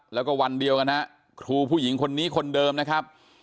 แล้วก็วันเดียวกันฮะครูผู้หญิงคนนี้คนเดิมนะครับ